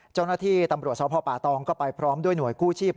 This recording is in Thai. เจ้าหน้าที่ตำรวจสพป่าตองก็ไปพร้อมด้วยหน่วยกู้ชีพ